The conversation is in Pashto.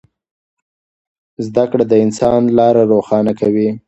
زده کړه د انسان لاره روښانه کوي.